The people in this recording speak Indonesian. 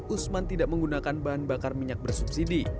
usman tidak menggunakan bahan bakar minyak bersubsidi